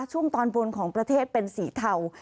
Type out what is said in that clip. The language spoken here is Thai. ตอนบนของประเทศเป็นสีเทา